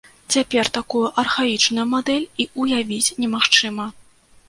Цяпер такую архаічную мадэль і ўявіць немагчыма.